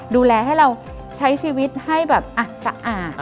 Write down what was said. ดูแลให้เราใช้ชีวิตให้แบบสะอาด